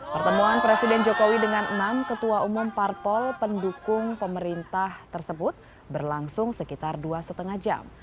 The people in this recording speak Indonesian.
pertemuan presiden jokowi dengan enam ketua umum parpol pendukung pemerintah tersebut berlangsung sekitar dua lima jam